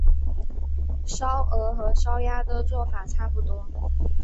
烧鹅和烧鸭做法差不多。